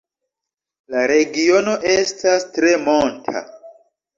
La regiono estas tre monta.